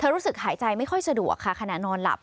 รู้สึกหายใจไม่ค่อยสะดวกค่ะขณะนอนหลับ